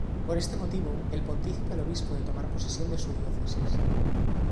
Por este motivo el pontífice al obispo de tomar posesión de su diócesis.